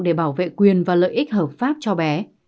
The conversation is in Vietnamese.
để bảo vệ quyền và lợi ích hợp pháp cho bé